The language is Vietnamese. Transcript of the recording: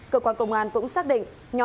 cơ quan công an cũng xác định